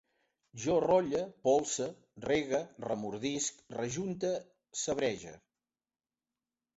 Jo rolle, polse, regue, remordisc, rejunte, sabrege